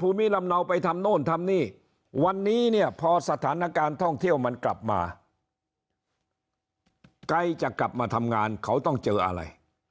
ภูมิลำเนาไปทำโน่นทำนี่วันนี้เนี่ยพอสถานการณ์ท่องเที่ยวมันกลับมาใกล้จะกลับมาทำงานเขาต้องเจออะไร